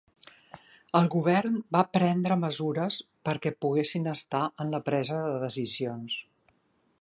El govern va prendre mesures perquè poguessin estar en la presa de decisions.